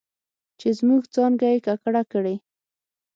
چې زموږ څانګه یې ککړه کړې